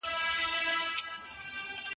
خپل خو به خپل وي بېګانه به ستا وي